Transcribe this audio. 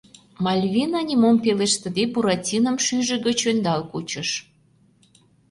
Мальвина, нимом пелештыде, Буратином шӱйжӧ гыч ӧндал кучыш.